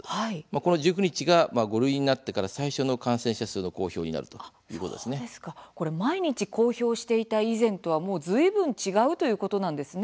この１９日が５類になってから最初の感染者数の公表になる毎日、公表していた以前とはずいぶん違うということなんですね。